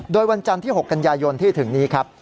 โดยวันจันทร์ที่๖กันยายนที่ถึงนี้ครับ